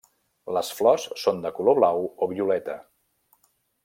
Les flors són de color blau o violeta.